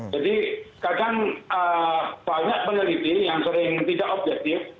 jadi kadang banyak peneliti yang sering tidak objektif